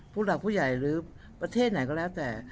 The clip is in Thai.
ผู้หลักผู้ใหญ่หรือประเทศไหนก็แล้วแต่